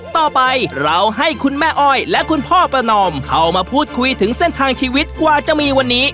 ต่อไปเราให้คุณแม่อ้อยและคุณพ่อประนอมเข้ามาพูดคุยถึงเส้นทางชีวิตกว่าจะมีวันนี้